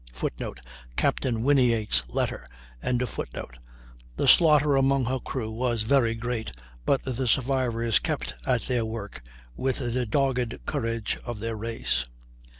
[Footnote: Capt. Whinyates' letter.] The slaughter among her crew was very great, but the survivors kept at their work with the dogged courage of their race.